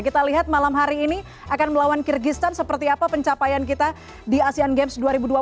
kita lihat malam hari ini akan melawan kyrgyzstan seperti apa pencapaian kita di asean games dua ribu dua puluh tiga